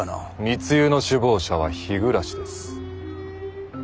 密輸の首謀者は日暮です。